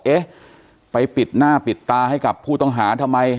เอ๊ะไปปิดหน้าปิดตาให้กับผู้ต้องหาทำไม